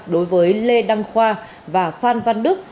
đối với lê đăng khoa và phan văn đức